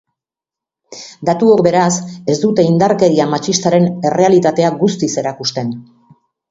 Datuok, beraz, ez dute indarkeria matxistaren errealitatea guztiz erakusten.